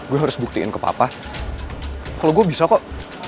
gue harus buktiin ke papa kalau gue bisa kok